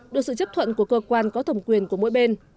được sự chấp thuận của cơ quan có thẩm quyền của mỗi bên